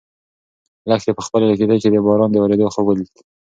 لښتې په خپلې کيږدۍ کې د باران د ورېدو خوب ولید.